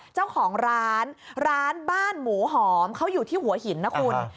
เจ้าของร้านร้านบ้านหมูหอมเขาอยู่ที่หัวหินนะคุณ